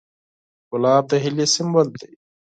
ګلاب د هیلې سمبول دی.